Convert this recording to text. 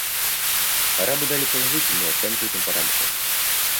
Арабы дали положительную оценку этим параметрам.